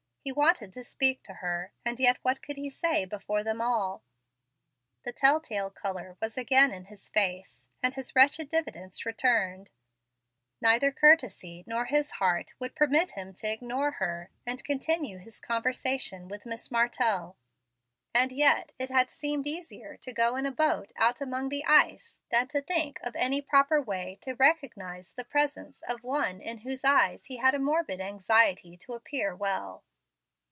He wanted to speak to her, and yet what could he say before them all? The telltale color was again in his face, and his wretched diffidence returned. Neither courtesy nor his heart would permit him to ignore her and continue his conversation with Miss Martell. And yet it had seemed easier to go in a boat out among the ice than to think of any proper way to recognize the presence of one in whose eyes he had a morbid anxiety to appear well.